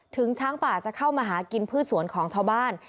ช้างป่าจะเข้ามาหากินพืชสวนของชาวบ้าน